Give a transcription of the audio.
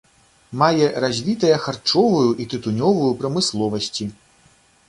Мае развітыя харчовую і тытунёвую прамысловасці.